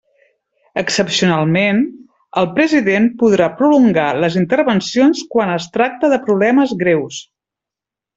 Excepcionalment, el president podrà prolongar les intervencions quan es tracte de problemes greus.